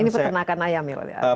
ini peternakan ayam ya